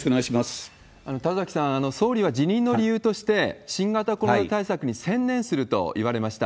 田崎さん、総理は辞任の理由として、新型コロナ対策に専念すると言われました。